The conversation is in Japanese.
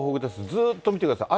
ずっと見てください。